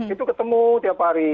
itu ketemu tiap hari